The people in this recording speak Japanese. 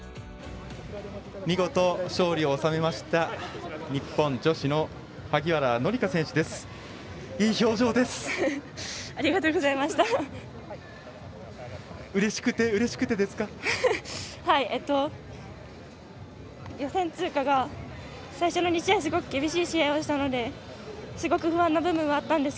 見事、勝利を収めました日本女子の萩原紀佳選手です。